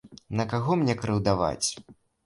На каго мне крыўдаваць.